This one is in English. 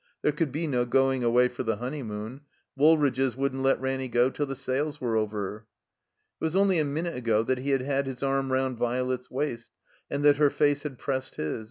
There could be no going away for the honeymoon. Woolridge's wouldn't let Ranny go till the sales were over. It was only a minute ago that he had had his arm round Violet's waist, and that her face had pressed his.